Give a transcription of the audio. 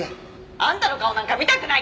あんたの顔なんか見たくない。